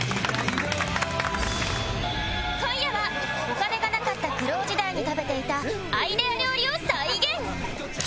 今夜はお金がなかった苦労時代に食べていたアイデア料理を再現